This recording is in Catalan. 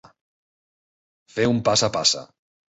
Fer un passa-passa.